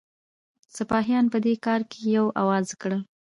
سپاهیان په دې کار کې یو آواز کړه.